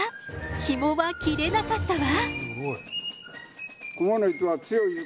ヒもは切れなかったわ。